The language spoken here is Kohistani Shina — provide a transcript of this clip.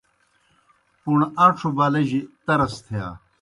پُݨ اَن٘ڇھوْ بالِجیْ ترس تِھیا۔